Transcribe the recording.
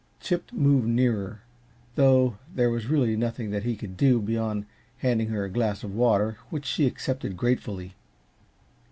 Chip moved nearer, though there was really nothing that he could do beyond handing her a glass of water, which she accepted gratefully.